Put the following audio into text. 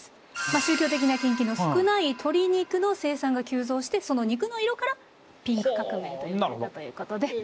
宗教的な禁忌の少ない鶏肉の生産が急増してその肉の色からピンク革命といわれたということで。